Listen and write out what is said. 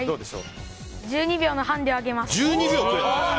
１２秒のハンデをあげます。